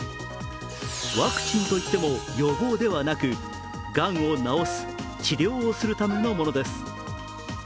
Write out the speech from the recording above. ワクチンといっても予防ではなくがんを治す、治療をするためのものです。